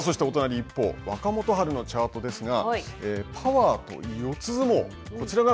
一方、若元春のチャートですがパワーと四つ